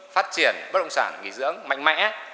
phát triển bất động sản nghỉ dưỡng mạnh mẽ